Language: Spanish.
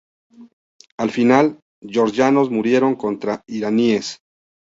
Al final, georgianos murieron, contra iraníes.